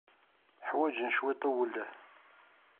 Ḥwajen cwiṭ n uwelleh.